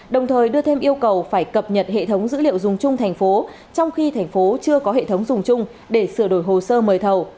đồng thời đưa thêm yêu cầu phải cập nhật hệ thống dữ liệu dùng chung thành phố trong khi thành phố chưa có hệ thống dùng chung để sửa đổi hồ sơ mời thầu